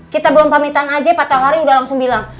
kita belum pamitan aja pak tauhari udah langsung bilang